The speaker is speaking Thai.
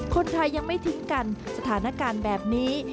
คนไทยยังไม่ทิ้งกันสถานการณ์แบบนี้